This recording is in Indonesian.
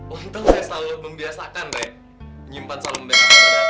untuk selalu membiasakan renggak